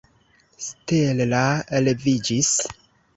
Stella leviĝis.